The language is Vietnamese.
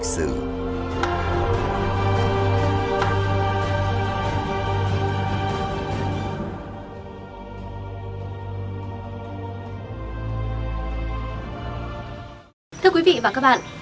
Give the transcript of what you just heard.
thưa quý vị và các bạn